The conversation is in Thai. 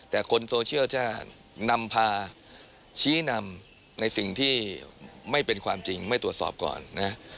แต่คนโซเชียลจะนำพาชี้นำในสิ่งที่ไม่เป็นความจริงไม่ตรวจสอบก่อนนะ